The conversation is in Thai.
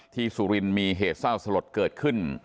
สุรินทร์มีเหตุเศร้าสลดเกิดขึ้น